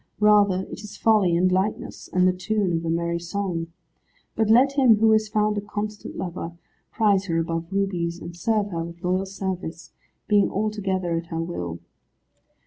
Rather it is folly and lightness, and the tune of a merry song. But let him who has found a constant lover prize her above rubies, and serve her with loyal service, being altogether at her will.